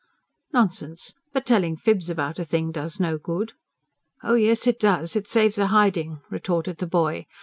"Nonsense. But telling fibs about a thing does no good." "Oh yes, it does; it saves a hiding," retorted the boy.